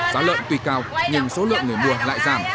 giá lợn tùy cao nhưng số lượng người mua lại giảm